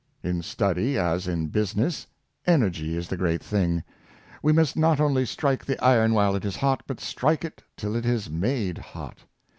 In study, as in business, energy is the great thing. We must not only strike the iron while it is hot, but strike it till it is made hot.